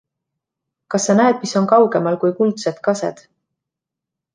Kas sa näed, mis on kaugemal kui kuldsed kased?